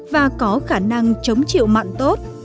và có khả năng chống chịu mặn tốt